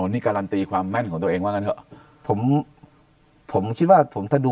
นี่การันตีความแม่นของตัวเองว่างั้นเถอะผมผมคิดว่าผมถ้าดู